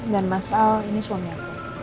dan mas al ini suami aku